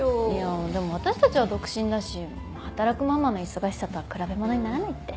でも私たちは独身だし働くママの忙しさとは比べものにならないって。